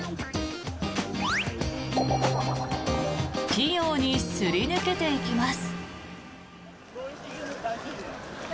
器用にすり抜けていきます。